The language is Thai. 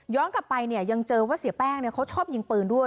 กลับไปเนี่ยยังเจอว่าเสียแป้งเขาชอบยิงปืนด้วย